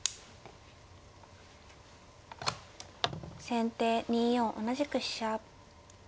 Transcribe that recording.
先手２四同じく飛車。